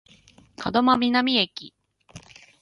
門真南駅